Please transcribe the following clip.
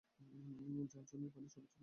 যা জমি ও পানির সর্বোচ্চ ব্যবহার নিশ্চিত করে।